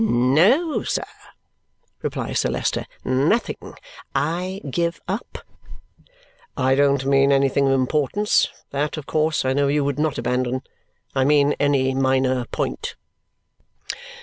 "No, sir," replies Sir Leicester. "Nothing. I give up?" "I don't mean anything of importance. That, of course, I know you would not abandon. I mean any minor point."